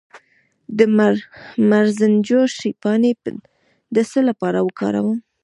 د مرزنجوش پاڼې د څه لپاره وکاروم؟